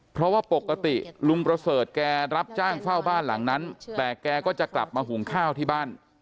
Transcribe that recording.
เพราะว่าปกติลุงประเสริฐแกรับจ้างเฝ้าบ้านหลังนั้นแต่แกก็จะกลับมาหุงข้าวที่บ้าน